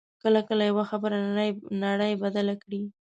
کله کله یوه خبره نړۍ بدله کړي